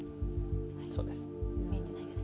そうです。